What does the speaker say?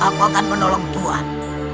aku akan menolong tuan